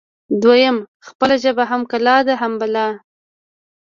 دویم: خپله ژبه هم کلا ده هم بلا